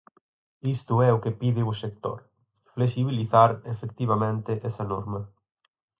Isto é o que pide o sector, flexibilizar, efectivamente, esa norma.